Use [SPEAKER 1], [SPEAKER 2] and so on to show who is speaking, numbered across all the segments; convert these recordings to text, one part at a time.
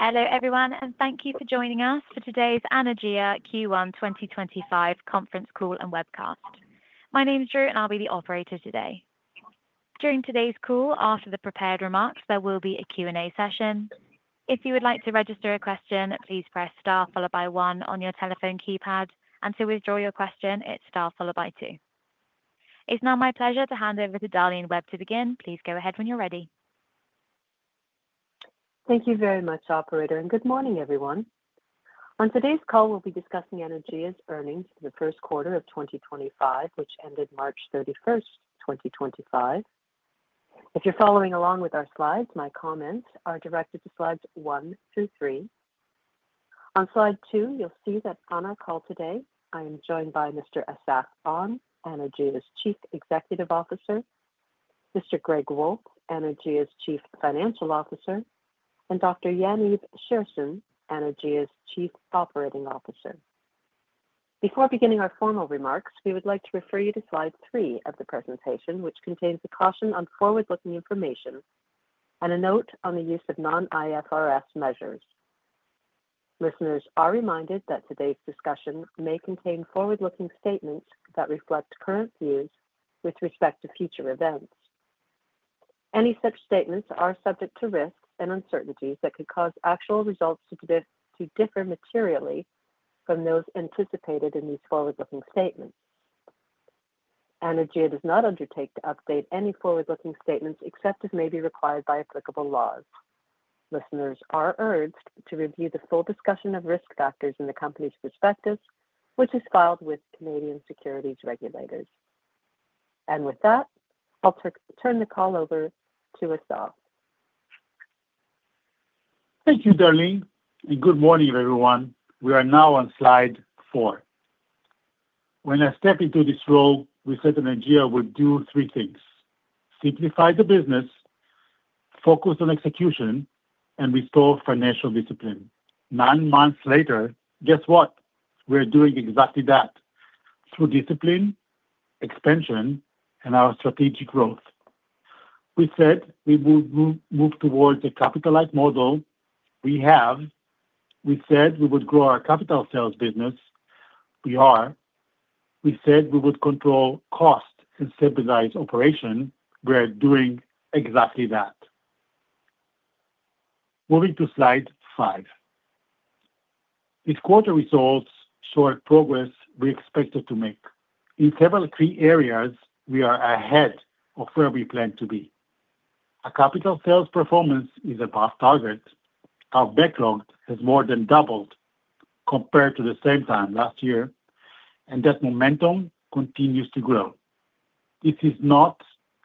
[SPEAKER 1] Hello everyone, and thank you for joining us for today's Anaergia Q1 2025 conference call and webcast. My name's Drew, and I'll be the operator today. During today's call, after the prepared remarks, there will be a Q&A session. If you would like to register a question, please press star followed by one on your telephone keypad, and to withdraw your question, it's star followed by two. It's now my pleasure to hand over to Darlene Webb to begin. Please go ahead when you're ready.
[SPEAKER 2] Thank you very much, Operator, and good morning, everyone. On today's call, we'll be discussing Anaergia's earnings for the first quarter of 2025, which ended March 31, 2025. If you're following along with our Slides, my comments are directed to Slides one, two, three. On Slide two, you'll see that on our call today, I am joined by Mr. Assaf Onn, Anaergia's Chief Executive Officer, Mr. Greg Wolf, Anaergia's Chief Financial Officer, and Dr. Yaniv Scherson, Anaergia's Chief Operating Officer. Before beginning our formal remarks, we would like to refer you to Slide three of the presentation, which contains a caution on forward-looking information and a note on the use of non-IFRS measures. Listeners are reminded that today's discussion may contain forward-looking statements that reflect current views with respect to future events. Any such statements are subject to risks and uncertainties that could cause actual results to differ materially from those anticipated in these forward-looking statements. Anaergia does not undertake to update any forward-looking statements except as may be required by applicable laws. Listeners are urged to review the full discussion of risk factors in the company's prospectus, which is filed with Canadian Securities Regulators. With that, I'll turn the call over to Assaf.
[SPEAKER 3] Thank you, Darlene, and good morning, everyone. We are now on Slide four. When I step into this role, we said Anaergia would do three things: simplify the business, focus on execution, and restore financial discipline. Nine months later, guess what? We're doing exactly that through discipline, expansion, and our strategic growth. We said we would move towards a capitalized model. We have. We said we would grow our capital sales business. We are. We said we would control cost and stabilize operation. We're doing exactly that. Moving to Slide five. This quarter results show progress we expected to make. In several key areas, we are ahead of where we plan to be. Our capital sales performance is above target. Our backlog has more than doubled compared to the same time last year, and that momentum continues to grow. This is not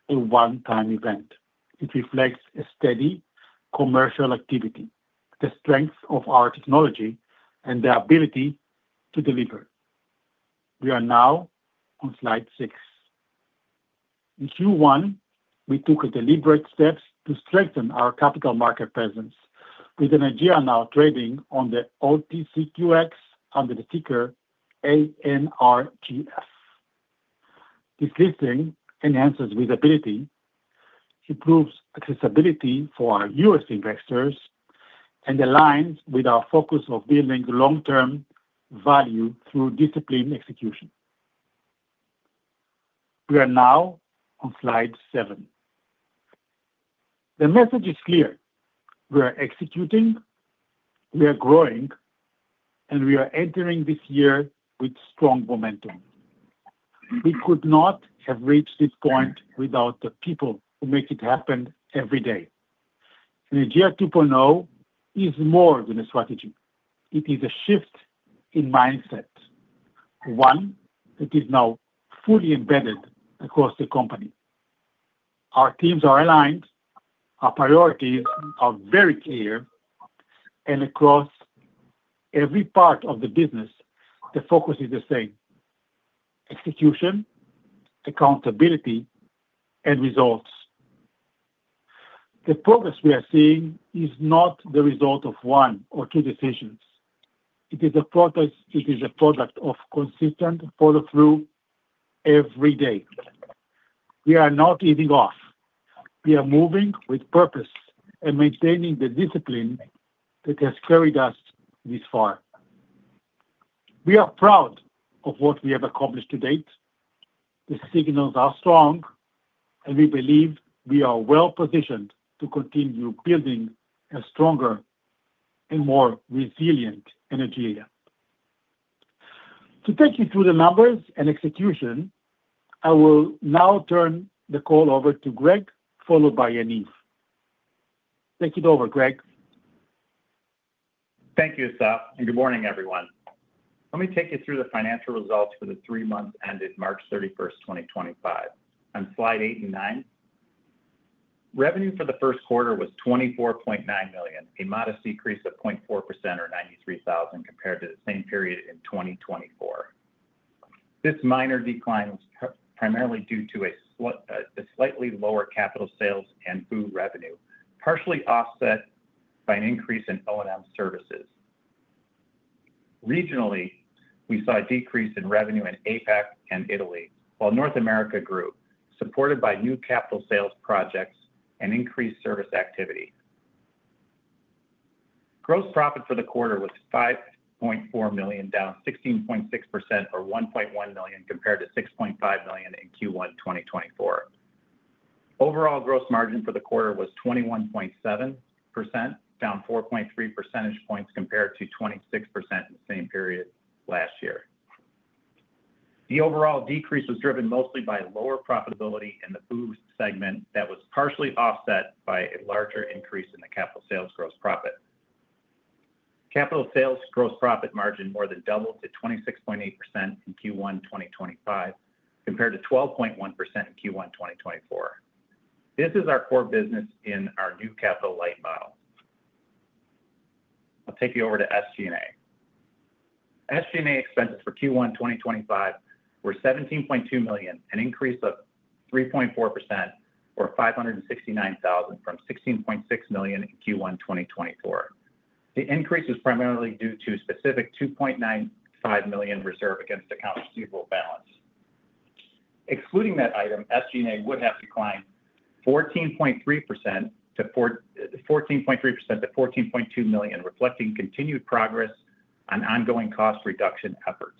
[SPEAKER 3] a one-time event. It reflects a steady commercial activity, the strength of our technology, and the ability to deliver. We are now on Slide six. In Q1, we took deliberate steps to strengthen our capital market presence with Anaergia now trading on the OTCQX under the ticker ANRGF. This listing enhances visibility, improves accessibility for our U.S. investors, and aligns with our focus of building long-term value through disciplined execution. We are now on Slide seven. The message is clear. We are executing, we are growing, and we are entering this year with strong momentum. We could not have reached this point without the people who make it happen every day. Anaergia 2.0 is more than a strategy. It is a shift in mindset, one that is now fully embedded across the company. Our teams are aligned. Our priorities are very clear. Across every part of the business, the focus is the same: execution, accountability, and results. The progress we are seeing is not the result of one or two decisions. It is a product of consistent follow-through every day. We are not easing off. We are moving with purpose and maintaining the discipline that has carried us this far. We are proud of what we have accomplished to date. The signals are strong, and we believe we are well-positioned to continue building a stronger and more resilient Anaergia. To take you through the numbers and execution, I will now turn the call over to Greg, followed by Yaniv. Take it over, Greg.
[SPEAKER 4] Thank you, Assaf, and good morning, everyone. Let me take you through the financial results for the three months ended March 31, 2025. On Slide eight and nine, revenue for the first quarter was 24.9 million, a modest decrease of 0.4% or 93,000 compared to the same period in 2024. This minor decline was primarily due to a slightly lower capital sales and food revenue, partially offset by an increase in O&M services. Regionally, we saw a decrease in revenue in APAC and Italy, while North America grew, supported by new capital sales projects and increased service activity. Gross profit for the quarter was 5.4 million, down 16.6% or 1.1 million compared to 6.5 million in Q1 2024. Overall gross margin for the quarter was 21.7%, down 4.3 percentage points compared to 26% in the same period last year. The overall decrease was driven mostly by lower profitability in the food segment that was partially offset by a larger increase in the capital sales gross profit. Capital sales gross profit margin more than doubled to 26.8% in Q1 2025 compared to 12.1% in Q1 2024. This is our core business in our new capital light model. I'll take you over to SG&A. SG&A expenses for Q1 2025 were 17.2 million, an increase of 3.4% or 569,000 from 16.6 million in Q1 2024. The increase was primarily due to a specific 2.95 million reserve against accounts receivable balance. Excluding that item, SG&A would have declined 14.3% to 14.2 million, reflecting continued progress on ongoing cost reduction efforts.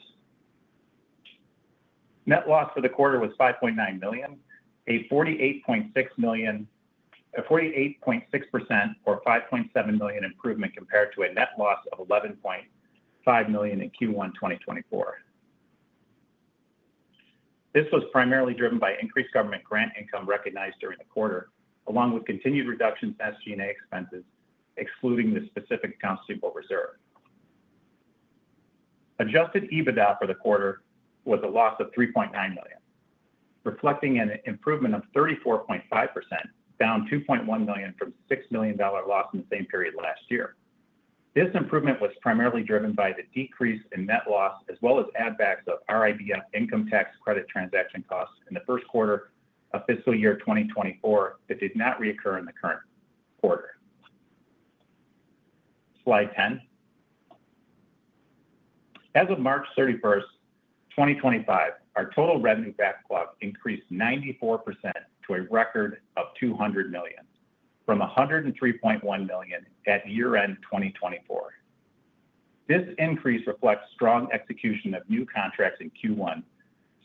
[SPEAKER 4] Net loss for the quarter was 5.9 million, a 48.6% or 5.7 million improvement compared to a net loss of 11.5 million in Q1 2024. This was primarily driven by increased government grant income recognized during the quarter, along with continued reductions in SG&A expenses, excluding the specific accounts receivable reserve. Adjusted EBITDA for the quarter was a loss of 3.9 million, reflecting an improvement of 34.5%, down 2.1 million from a 6 million dollar loss in the same period last year. This improvement was primarily driven by the decrease in net loss as well as add-backs of RIBF income tax credit transaction costs in the first quarter of fiscal year 2024 that did not reoccur in the current quarter. Slide 10. As of March 31, 2025, our total revenue backlog increased 94% to a record of 200 million, from 103.1 million at year-end 2024. This increase reflects strong execution of new contracts in Q1,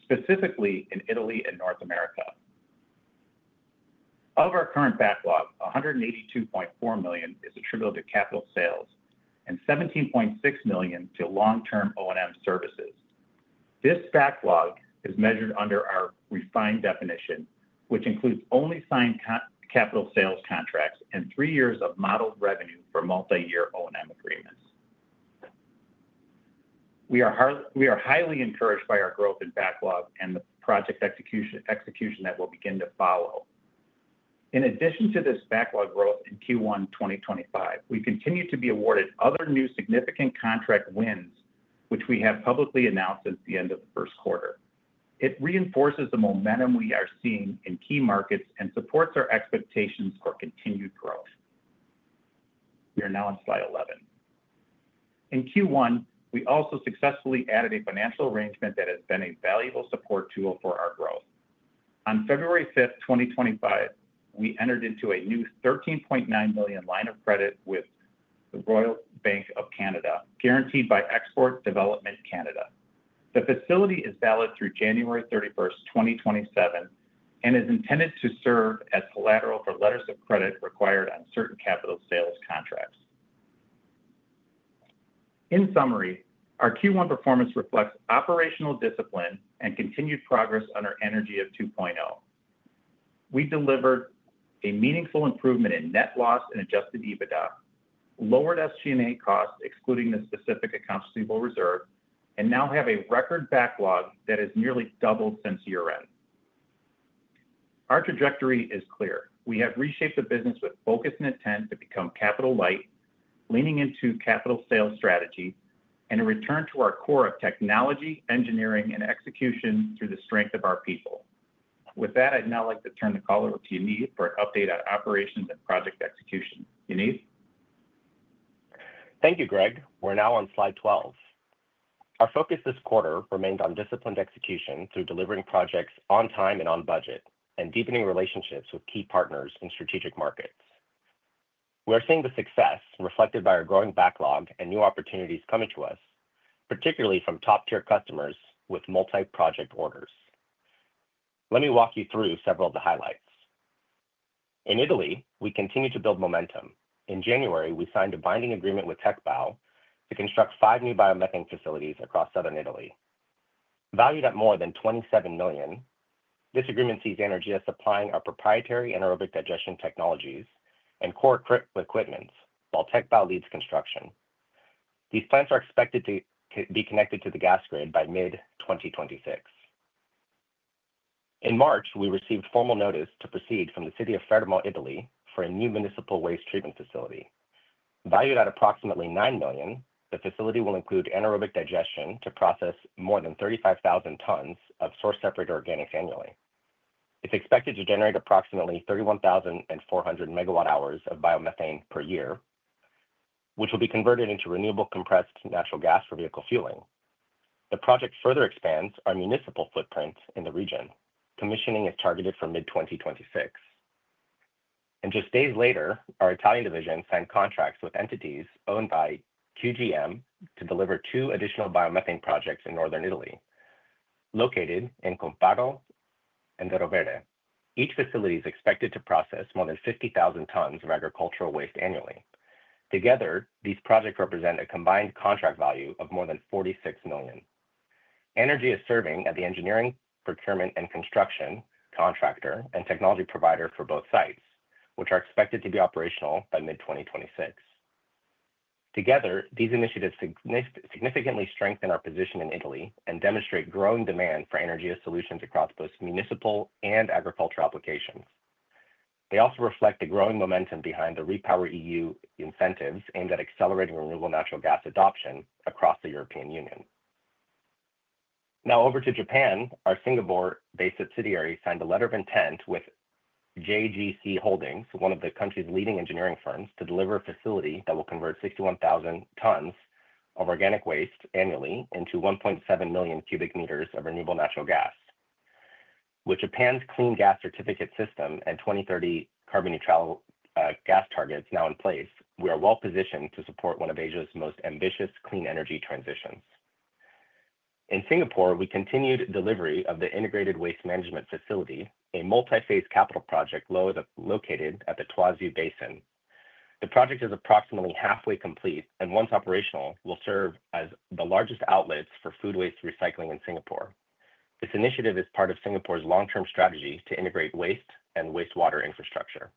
[SPEAKER 4] specifically in Italy and North America. Of our current backlog, 182.4 million is attributable to capital sales and 17.6 million to long-term O&M services. This backlog is measured under our refined definition, which includes only signed capital sales contracts and three years of modeled revenue for multi-year O&M agreements. We are highly encouraged by our growth in backlog and the project execution that will begin to follow. In addition to this backlog growth in Q1 2025, we continue to be awarded other new significant contract wins, which we have publicly announced since the end of the first quarter. It reinforces the momentum we are seeing in key markets and supports our expectations for continued growth. We are now on Slide 11. In Q1, we also successfully added a financial arrangement that has been a valuable support tool for our growth. On February 5th, 2025, we entered into a new 13.9 million line of credit with the Royal Bank of Canada, guaranteed by Export Development Canada. The facility is valid through January 31st, 2027, and is intended to serve as collateral for letters of credit required on certain capital sales contracts. In summary, our Q1 performance reflects operational discipline and continued progress under Anaergia 2.0. We delivered a meaningful improvement in net loss and adjusted EBITDA, lowered SG&A costs, excluding the specific accounts receivable reserve, and now have a record backlog that has nearly doubled since year-end. Our trajectory is clear. We have reshaped the business with focus and intent to become capital light, leaning into capital sales strategy, and a return to our core of technology, engineering, and execution through the strength of our people. With that, I'd now like to turn the call over to Yaniv for an update on operations and project execution. Yaniv.
[SPEAKER 5] Thank you, Greg. We're now on Slide 12. Our focus this quarter remained on disciplined execution through delivering projects on time and on budget, and deepening relationships with key partners in strategic markets. We are seeing the success reflected by our growing backlog and new opportunities coming to us, particularly from top-tier customers with multi-project orders. Let me walk you through several of the highlights. In Italy, we continue to build momentum. In January, we signed a binding agreement with TechBio to construct five new biomethane facilities across southern Italy. Valued at more than 27 million, this agreement sees Anaergia supplying our proprietary anaerobic digestion technologies and core equipment, while TechBio leads construction. These plants are expected to be connected to the gas grid by mid-2026. In March, we received formal notice to proceed from the city of Fermo, Italy, for a new municipal waste treatment facility. Valued at approximately 9 million, the facility will include anaerobic digestion to process more than 35,000 tons of source separated organics annually. It's expected to generate approximately 31,400 megawatt-hours of biomethane per year, which will be converted into renewable compressed natural gas for vehicle fueling. The project further expands our municipal footprint in the region. Commissioning is targeted for mid-2026. Just days later, our Italian division signed contracts with entities owned by QGM to deliver two additional biomethane projects in northern Italy, located in Comparo and Dero Verde. Each facility is expected to process more than 50,000 tons of agricultural waste annually. Together, these projects represent a combined contract value of more than 46 million. Anaergia is serving as the engineering, procurement, and construction contractor and technology provider for both sites, which are expected to be operational by mid-2026. Together, these initiatives significantly strengthen our position in Italy and demonstrate growing demand for Anaergia solutions across both municipal and agricultural applications. They also reflect the growing momentum behind the REPowerEU incentives aimed at accelerating renewable natural gas adoption across the European Union. Now over to Japan. Our Singapore-based subsidiary signed a letter of intent with JGC Holdings, one of the country's leading engineering firms, to deliver a facility that will convert 61,000 tons of organic waste annually into 1.7 million cubic meters of renewable natural gas. With Japan's clean gas certificate system and 2030 carbon neutral gas targets now in place, we are well-positioned to support one of Asia's most ambitious clean energy transitions. In Singapore, we continued delivery of the Integrated Waste Management Facility, a multi-phase capital project located at the Toisou Basin. The project is approximately halfway complete and, once operational, will serve as the largest outlet for food waste recycling in Singapore. This initiative is part of Singapore's long-term strategy to integrate waste and wastewater infrastructure.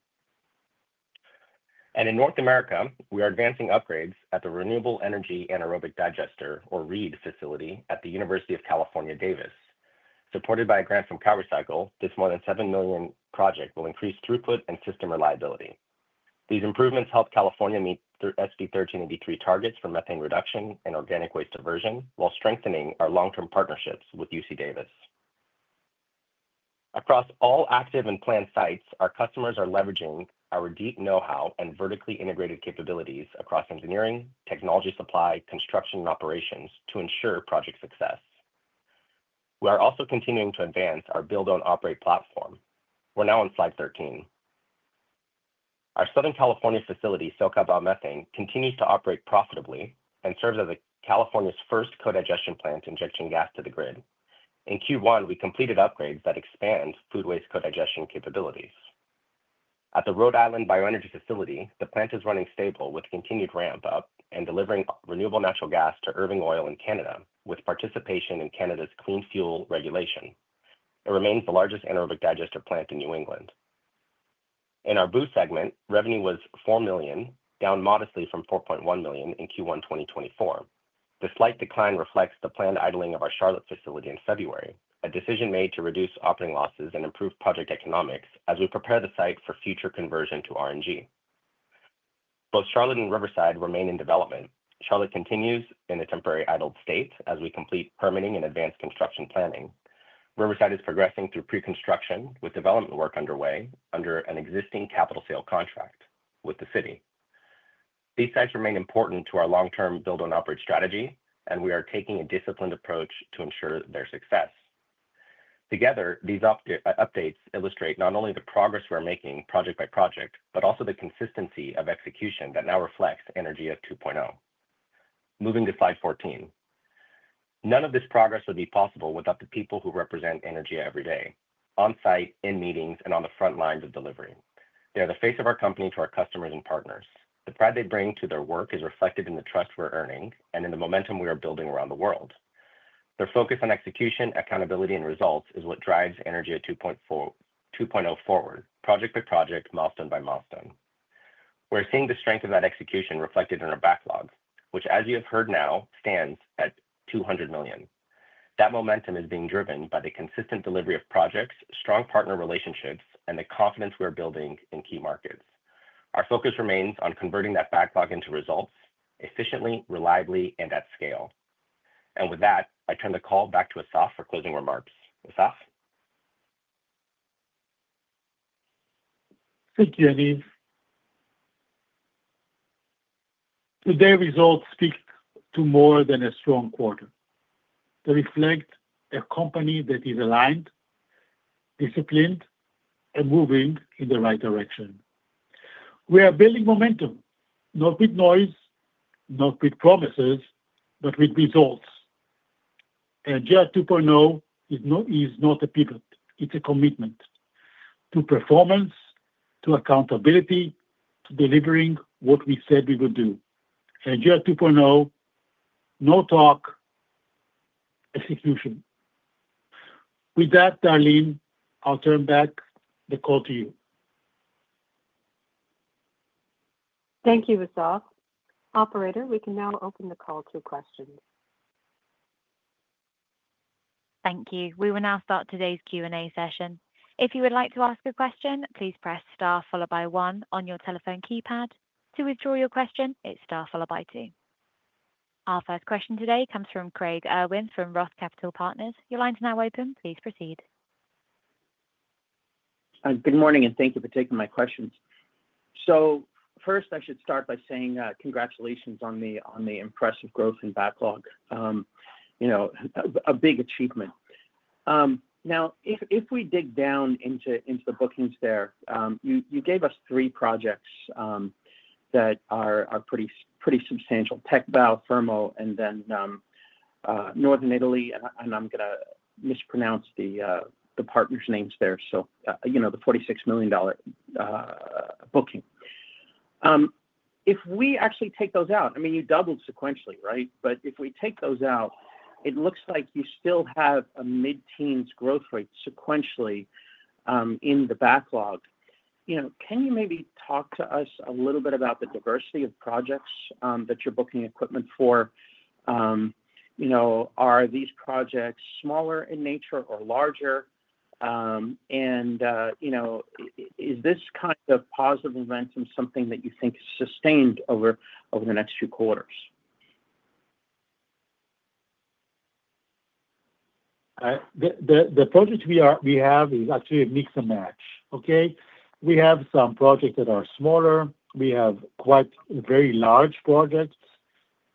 [SPEAKER 5] In North America, we are advancing upgrades at the Renewable Energy Anaerobic Digester, or REED, facility at the University of California, Davis. Supported by a grant from PowerCycle, this more than 7 million project will increase throughput and system reliability. These improvements help California meet SB 1383 targets for methane reduction and organic waste diversion, while strengthening our long-term partnerships with UC Davis. Across all active and planned sites, our customers are leveraging our deep know-how and vertically integrated capabilities across engineering, technology supply, construction, and operations to ensure project success. We are also continuing to advance our build-own-operate platform. We're now on Slide 13. Our Southern California facility, Silca Biomethane, continues to operate profitably and serves as California's first co-digestion plant injecting gas to the grid. In Q1, we completed upgrades that expand food waste co-digestion capabilities. At the Rhode Island Bioenergy facility, the plant is running stable with continued ramp-up and delivering renewable natural gas to Irving Oil in Canada, with participation in Canada's Clean Fuel Regulation. It remains the largest anaerobic digester plant in New England. In our boost segment, revenue was 4 million, down modestly from 4.1 million in Q1 2024. The slight decline reflects the planned idling of our Charlotte facility in February, a decision made to reduce operating losses and improve project economics as we prepare the site for future conversion to RNG. Both Charlotte and Riverside remain in development. Charlotte continues in a temporary idled state as we complete permitting and advanced construction planning. Riverside is progressing through pre-construction with development work underway under an existing capital sale contract with the city. These sites remain important to our long-term build-own-operate strategy, and we are taking a disciplined approach to ensure their success. Together, these updates illustrate not only the progress we're making project by project, but also the consistency of execution that now reflects Anaergia 2.0. Moving to Slide 14. None of this progress would be possible without the people who represent Anaergia every day, on-site, in meetings, and on the front lines of delivery. They are the face of our company to our customers and partners. The pride they bring to their work is reflected in the trust we're earning and in the momentum we are building around the world. Their focus on execution, accountability, and results is what drives Energia 2.0 forward, project by project, milestone by milestone. We're seeing the strength of that execution reflected in our backlog, which, as you have heard now, stands at 200 million. That momentum is being driven by the consistent delivery of projects, strong partner relationships, and the confidence we're building in key markets. Our focus remains on converting that backlog into results efficiently, reliably, and at scale. With that, I turn the call back to Assaf for closing remarks. Assaf?
[SPEAKER 3] Thank you, Yaniv. Today's results speak to more than a strong quarter. They reflect a company that is aligned, disciplined, and moving in the right direction. We are building momentum, not with noise, not with promises, but with results. Anaergia 2.0 is not a pivot. It's a commitment to performance, to accountability, to delivering what we said we would do. Anaergia 2.0, no talk, execution. With that, Darlene, I'll turn back the call to you.
[SPEAKER 2] Thank you, Assaf. Operator, we can now open the call to questions.
[SPEAKER 1] Thank you. We will now start today's Q&A session. If you would like to ask a question, please press star followed by one on your telephone keypad. To withdraw your question, it's star followed by two. Our first question today comes from Craig Irwin from Roth Capital Partners. Your line's now open. Please proceed.
[SPEAKER 6] Good morning, and thank you for taking my questions. First, I should start by saying congratulations on the impressive growth in backlog, a big achievement. Now, if we dig down into the bookings there, you gave us three projects that are pretty substantial: TechBio, Fermo, and then Northern Italy. I'm going to mispronounce the partners' names there, so the $46 million booking. If we actually take those out, I mean, you doubled sequentially, right? If we take those out, it looks like you still have a mid-teens growth rate sequentially in the backlog. Can you maybe talk to us a little bit about the diversity of projects that you're booking equipment for? Are these projects smaller in nature or larger? Is this kind of positive momentum something that you think is sustained over the next few quarters?
[SPEAKER 3] The project we have is actually a mix and match. Okay? We have some projects that are smaller. We have quite very large projects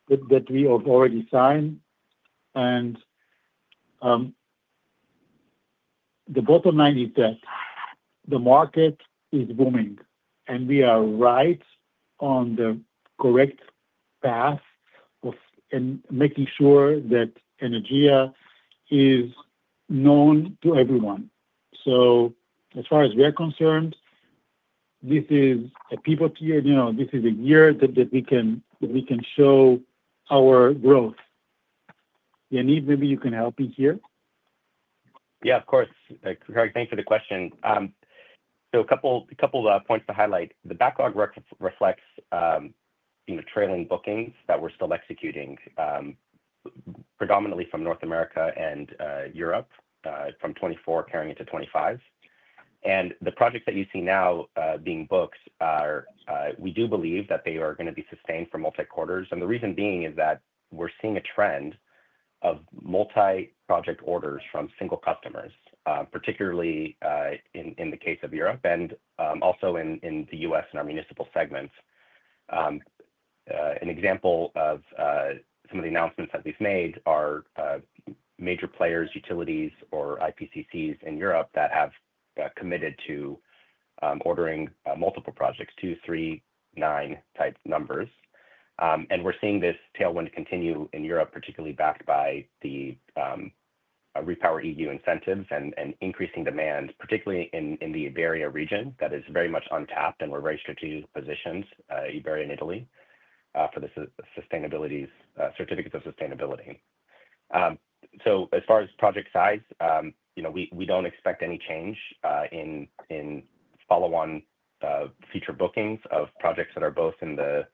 [SPEAKER 3] that we have already signed. The bottom line is that the market is booming, and we are right on the correct path of making sure that Anaergia is known to everyone. As far as we're concerned, this is a pivot year. This is a year that we can show our growth. Yaniv, maybe you can help me here.
[SPEAKER 5] Yeah, of course. Craig, thanks for the question. A couple of points to highlight. The backlog reflects trailing bookings that we're still executing, predominantly from North America and Europe, from 2024 carrying into 2025. The projects that you see now being booked, we do believe that they are going to be sustained for multi-quarters. The reason being is that we're seeing a trend of multi-project orders from single customers, particularly in the case of Europe and also in the U.S. and our municipal segments. An example of some of the announcements that we've made are major players, utilities, or IPCCs in Europe that have committed to ordering multiple projects, two, three, nine-type numbers. We're seeing this tailwind continue in Europe, particularly backed by the REPowerEU incentives and increasing demand, particularly in the Iberia region that is very much untapped and we're very strategically positioned, Iberia and Italy, for the certificates of sustainability. As far as project size, we don't expect any change in follow-on future bookings of projects that are both in the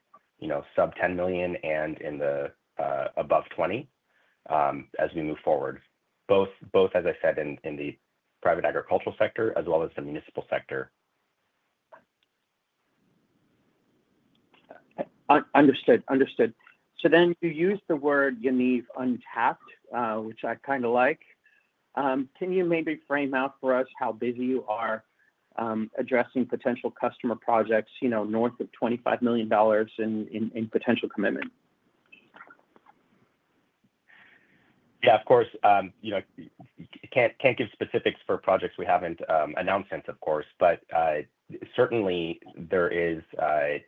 [SPEAKER 5] sub-10 million and in the above 20 as we move forward, both, as I said, in the private agricultural sector as well as the municipal sector.
[SPEAKER 6] Understood. Understood. You used the word, Yaniv, untapped, which I kind of like. Can you maybe frame out for us how busy you are addressing potential customer projects north of $25 million in potential commitment?
[SPEAKER 5] Yeah, of course. Can't give specifics for projects we haven't announced since, of course, but certainly there are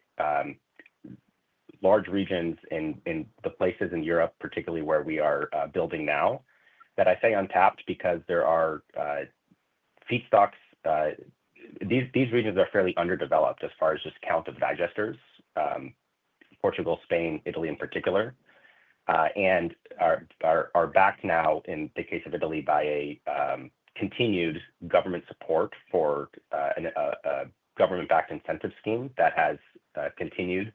[SPEAKER 5] large regions in the places in Europe, particularly where we are building now, that I say untapped because there are feedstocks. These regions are fairly underdeveloped as far as just count of digesters, Portugal, Spain, Italy in particular, and are backed now, in the case of Italy, by a continued government support for a government-backed incentive scheme that has continued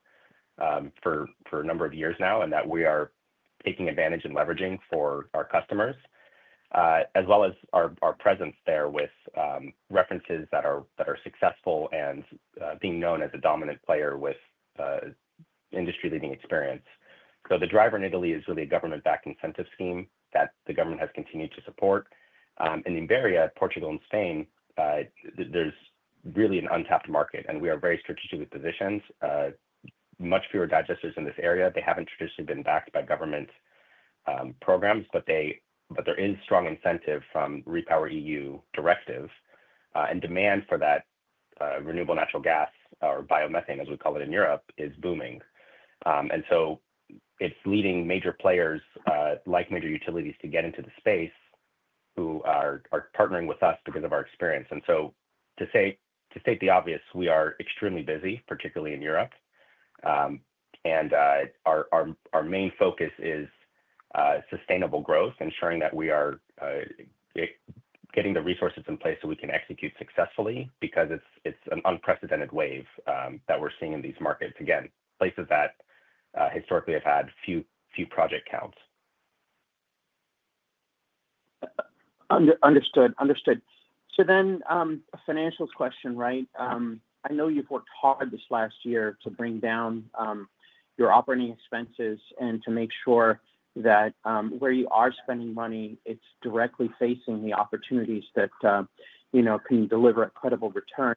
[SPEAKER 5] for a number of years now and that we are taking advantage and leveraging for our customers, as well as our presence there with references that are successful and being known as a dominant player with industry-leading experience. The driver in Italy is really a government-backed incentive scheme that the government has continued to support. In Iberia, Portugal, and Spain, there's really an untapped market, and we are very strategically positioned. Much fewer digesters in this area. They have not traditionally been backed by government programs, but there is strong incentive from the REPowerEU directive, and demand for that renewable natural gas or biomethane, as we call it in Europe, is booming. It is leading major players like major utilities to get into the space who are partnering with us because of our experience. To state the obvious, we are extremely busy, particularly in Europe. Our main focus is sustainable growth, ensuring that we are getting the resources in place so we can execute successfully because it is an unprecedented wave that we are seeing in these markets, again, places that historically have had few project counts.
[SPEAKER 6] Understood. Understood. So then a financials question, right? I know you've worked hard this last year to bring down your operating expenses and to make sure that where you are spending money, it's directly facing the opportunities that can deliver a credible return.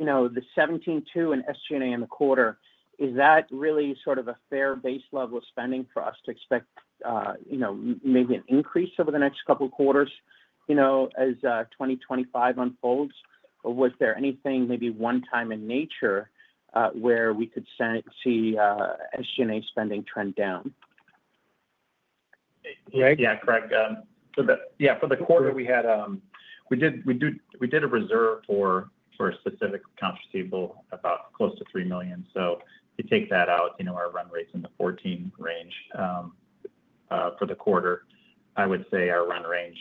[SPEAKER 6] The $17.2 million in SG&A in the quarter, is that really sort of a fair base level of spending for us to expect maybe an increase over the next couple of quarters as 2025 unfolds? Or was there anything maybe one-time in nature where we could see SG&A spending trend down?
[SPEAKER 5] Yeah, Craig. Yeah, for the quarter, we did a reserve for a specific accounts receivable about close to $3 million. If you take that out, our run rate's in the $14 million range for the quarter. I would say our run range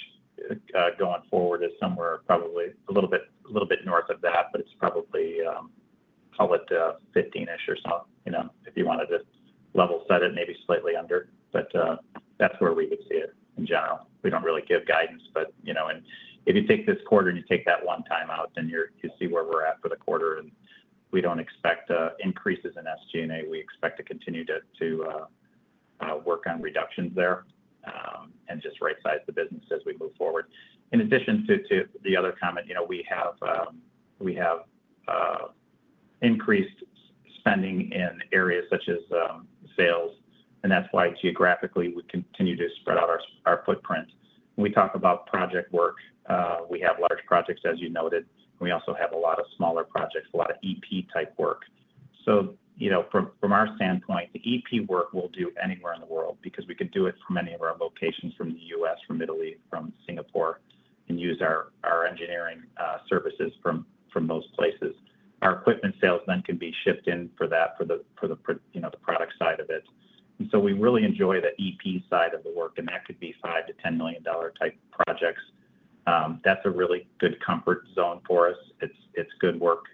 [SPEAKER 5] going forward is somewhere probably a little bit north of that, but it's probably, call it $15 million-ish or so, if you wanted to level set it, maybe slightly under. That's where we would see it in general. We do not really give guidance, but if you take this quarter and you take that one time out, then you see where we're at for the quarter. We do not expect increases in SG&A. We expect to continue to work on reductions there and just right-size the business as we move forward. In addition to the other comment, we have increased spending in areas such as sales, and that's why geographically we continue to spread out our footprint. When we talk about project work, we have large projects, as you noted, and we also have a lot of smaller projects, a lot of EP-type work. From our standpoint, the EP work we'll do anywhere in the world because we could do it from any of our locations, from the U.S., from Italy, from Singapore, and use our engineering services from those places. Our equipment sales then can be shipped in for that, for the product side of it. We really enjoy the EP side of the work, and that could be $5 million-$10 million type projects. That's a really good comfort zone for us. It's good work,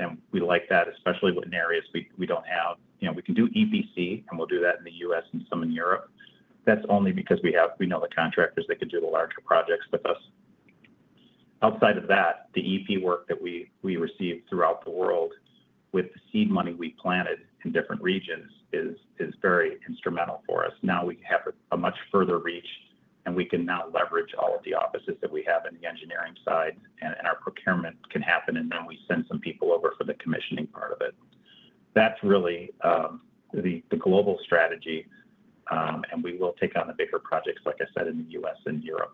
[SPEAKER 5] and we like that, especially in areas we don't have. We can do EPC, and we'll do that in the U.S. and some in Europe. That's only because we know the contractors that can do the larger projects with us. Outside of that, the EP work that we receive throughout the world with the seed money we planted in different regions is very instrumental for us. Now we have a much further reach, and we can now leverage all of the offices that we have in the engineering side, and our procurement can happen, and then we send some people over for the commissioning part of it. That's really the global strategy, and we will take on the bigger projects, like I said, in the U.S. and Europe.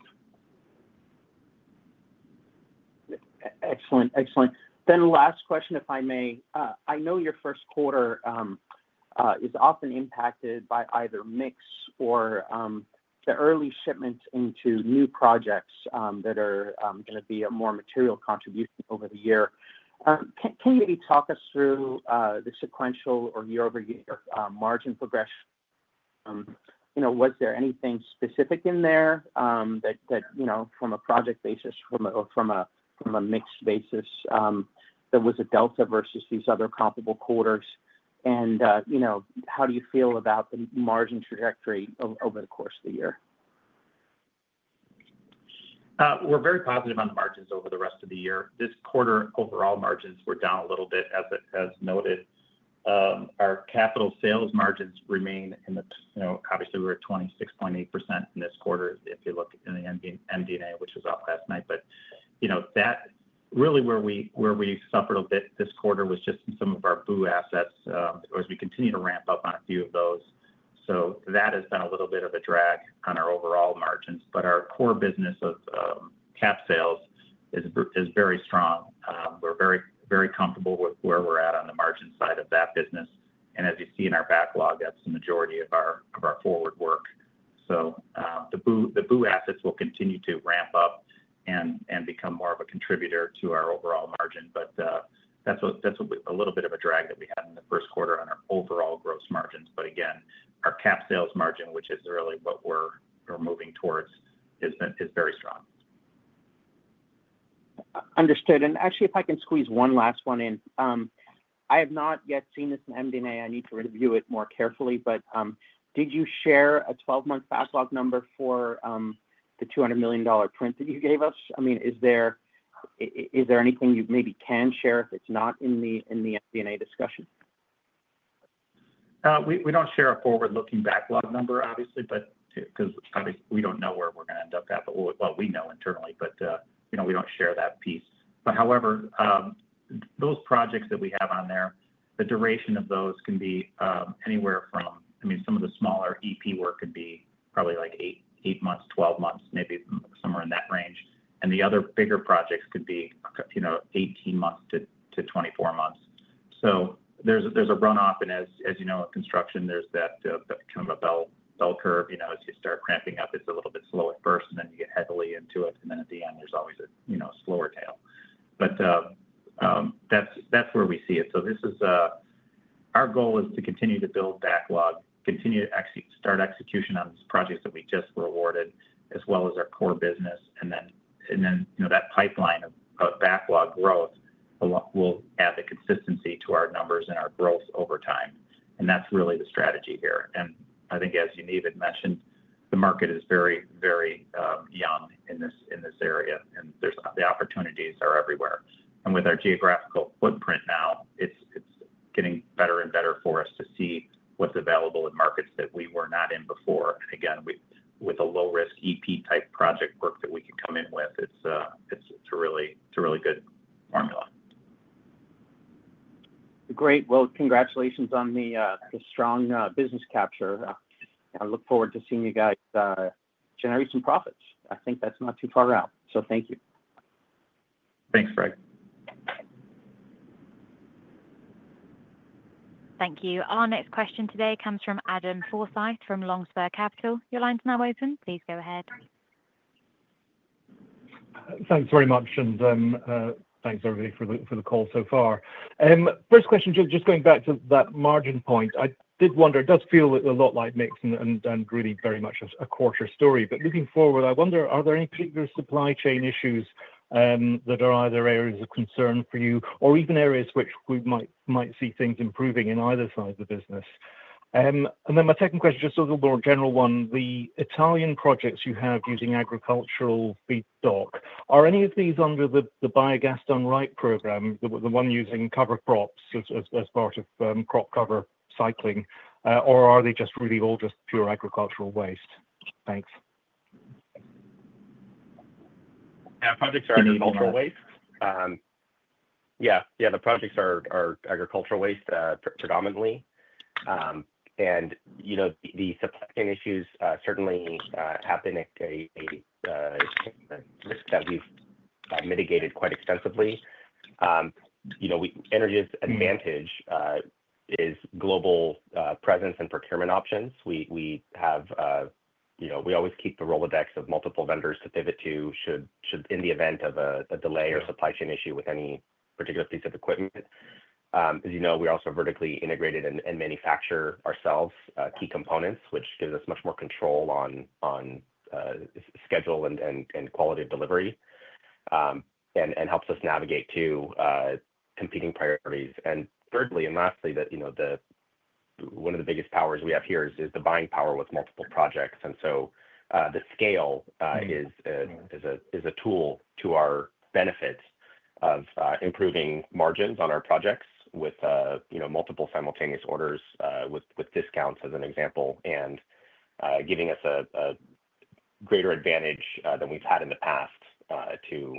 [SPEAKER 6] Excellent. Excellent. Last question, if I may. I know your first quarter is often impacted by either mix or the early shipment into new projects that are going to be a more material contribution over the year. Can you maybe talk us through the sequential or year-over-year margin progression? Was there anything specific in there from a project basis or from a mix basis? There was a delta versus these other comparable quarters. How do you feel about the margin trajectory over the course of the year?
[SPEAKER 5] We're very positive on the margins over the rest of the year. This quarter, overall margins were down a little bit, as noted. Our capital sales margins remain, obviously, we were at 26.8% in this quarter if you look in the MD&A, which was up last night. Really where we suffered a bit this quarter was just in some of our BU assets as we continue to ramp up on a few of those. That has been a little bit of a drag on our overall margins. Our core business of cap sales is very strong. We're very comfortable with where we're at on the margin side of that business. As you see in our backlog, that's the majority of our forward work. The BU assets will continue to ramp up and become more of a contributor to our overall margin. That's a little bit of a drag that we had in the first quarter on our overall gross margins. Again, our cap sales margin, which is really what we're moving towards, is very strong.
[SPEAKER 6] Understood. Actually, if I can squeeze one last one in, I have not yet seen this in MD&A. I need to review it more carefully. Did you share a 12-month backlog number for the $200 million print that you gave us? I mean, is there anything you maybe can share if it's not in the MD&A discussion?
[SPEAKER 5] We do not share a forward-looking backlog number, obviously, because obviously we do not know where we are going to end up at. We know internally, but we do not share that piece. However, those projects that we have on there, the duration of those can be anywhere from, I mean, some of the smaller EPC work could be probably like eight months, twelve months, maybe somewhere in that range. The other bigger projects could be 18 months to 24 months. There is a run-off. As you know, in construction, there is that kind of a bell curve. As you start ramping up, it is a little bit slow at first, and then you get heavily into it. At the end, there is always a slower tail. That is where we see it. Our goal is to continue to build backlog, continue to start execution on these projects that we just rewarded, as well as our core business. That pipeline of backlog growth will add the consistency to our numbers and our growth over time. That is really the strategy here. I think, as Yaniv had mentioned, the market is very, very young in this area, and the opportunities are everywhere. With our geographical footprint now, it is getting better and better for us to see what is available in markets that we were not in before. Again, with a low-risk EPC-type project work that we can come in with, it is a really good formula.
[SPEAKER 6] Great. Congratulations on the strong business capture. I look forward to seeing you guys generate some profits. I think that's not too far out. Thank you.
[SPEAKER 5] Thanks, Craig.
[SPEAKER 1] Thank you. Our next question today comes from Adam Forsyth from Longboard Capital. Your line's now open. Please go ahead.
[SPEAKER 7] Thanks very much. Thanks, everybody, for the call so far. First question, just going back to that margin point, I did wonder, it does feel a lot like mix and really very much a quarter story. Moving forward, I wonder, are there any particular supply chain issues that are either areas of concern for you or even areas which we might see things improving in either side of the business? My second question, just a little more general one. The Italian projects you have using agricultural feedstock, are any of these under the Biogas Done Right Program, the one using cover crops as part of crop cover cycling, or are they just really all just pure agricultural waste? Thanks.
[SPEAKER 5] Yeah, projects are agricultural waste. Yeah. The projects are agricultural waste predominantly. The supply chain issues certainly have been a risk that we have mitigated quite extensively. Anaergia advantage is global presence and procurement options. We always keep the Rolodex of multiple vendors to pivot to in the event of a delay or supply chain issue with any particular piece of equipment. As you know, we are also vertically integrated and manufacture ourselves key components, which gives us much more control on schedule and quality of delivery and helps us navigate to competing priorities. Thirdly and lastly, one of the biggest powers we have here is the buying power with multiple projects. The scale is a tool to our benefit of improving margins on our projects with multiple simultaneous orders, with discounts as an example, and giving us a greater advantage than we've had in the past to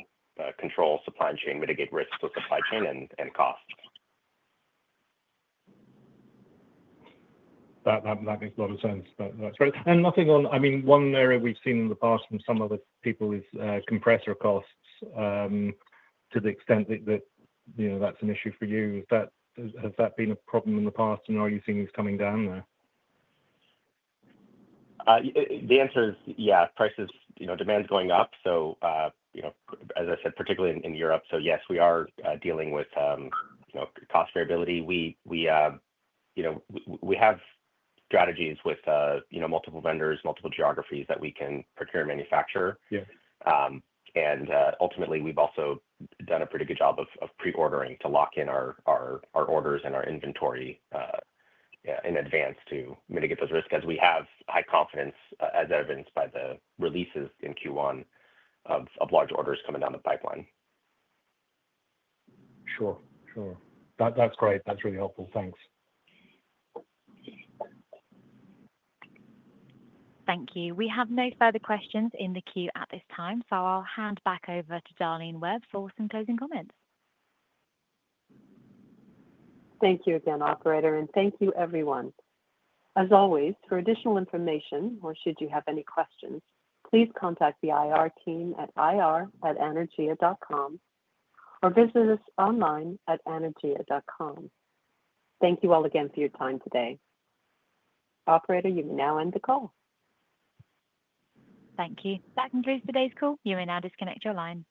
[SPEAKER 5] control supply chain, mitigate risks of supply chain, and costs.
[SPEAKER 7] That makes a lot of sense. That's great. I mean, one area we've seen in the past from some of the people is compressor costs. To the extent that that's an issue for you, has that been a problem in the past, and are you seeing this coming down there?
[SPEAKER 5] The answer is, yeah, prices, demand's going up. As I said, particularly in Europe. Yes, we are dealing with cost variability. We have strategies with multiple vendors, multiple geographies that we can procure and manufacture. Ultimately, we've also done a pretty good job of pre-ordering to lock in our orders and our inventory in advance to mitigate those risks because we have high confidence, as evidenced by the releases in Q1 of large orders coming down the pipeline.
[SPEAKER 7] Sure. That's great. That's really helpful. Thanks.
[SPEAKER 1] Thank you. We have no further questions in the queue at this time, so I'll hand back over to Darlene Webb for some closing comments.
[SPEAKER 2] Thank you again, Operator, and thank you, everyone. As always, for additional information or should you have any questions, please contact the IR team at ir@anaergia.com or visit us online at anaergia.com. Thank you all again for your time today. Operator, you may now end the call.
[SPEAKER 1] Thank you. That concludes today's call. You may now disconnect your line.